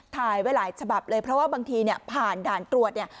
ถ่ายไว้หลายฉบับเลยเพราะว่าบางทีเนี่ยผ่านด่านตรวจเนี่ย